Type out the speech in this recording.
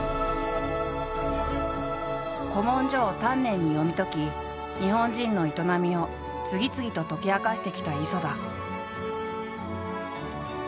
古文書を丹念に読み解き日本人の営みを次々と解き明かしてきた磯田。